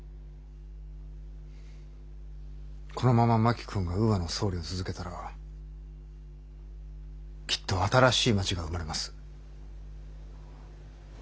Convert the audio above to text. このまま真木君がウーアの総理を続けたらきっと新しい街が生まれます。